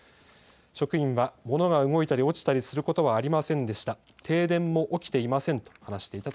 職員は物が動いたり、落ちたりすることはありませんでした。